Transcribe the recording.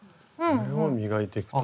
これを磨いていくと。